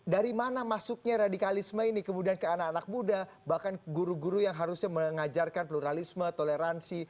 dari mana masuknya radikalisme ini kemudian ke anak anak muda bahkan guru guru yang harusnya mengajarkan pluralisme toleransi